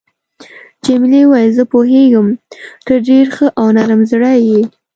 جميلې وويل: زه پوهیږم ته ډېر ښه او نرم زړی یې.